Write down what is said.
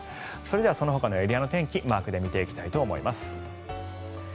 それではそのほかのエリアの天気マークで見ていきたいと思います。